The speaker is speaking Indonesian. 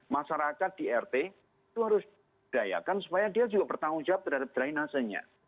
masyarakat di rt itu harus didayakan supaya dia juga bertanggung jawab terhadap drainasenya